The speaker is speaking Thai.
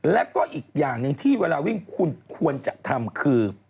แล้วก็อีกอย่างหนึ่งที่เวลาวิ่งคุณควรจะทำคือ